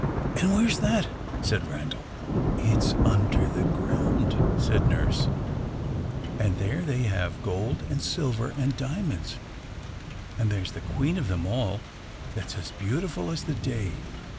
"And where's that?" said Randal. "It's under the ground," said nurse, "and there they have gold and silver and diamonds; and there's the Queen of them all, that's as beautiful as the day.